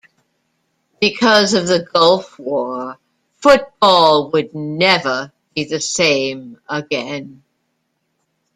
Because of the Gulf war, football would never be the same again.